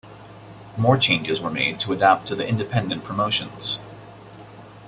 More changes were made to adapt to the independent promotions.